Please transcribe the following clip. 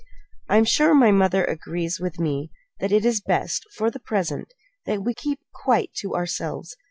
"I'm sure mother agrees with me that it is best, for the present, that we keep quite to ourselves.